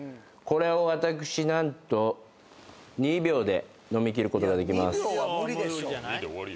これを私何と２秒で飲み切ることができます。